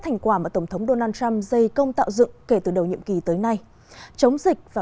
thành quả mà tổng thống donald trump dây công tạo dựng kể từ đầu nhiệm kỳ tới nay chống dịch và